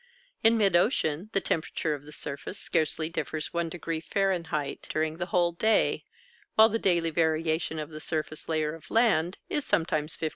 In mid ocean the temperature of the surface scarcely differs 1° Fahr. during the whole day, while the daily variation of the surface layer of land is sometimes 50°.